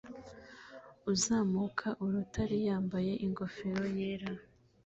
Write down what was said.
Uzamuka urutare yambaye ingofero yera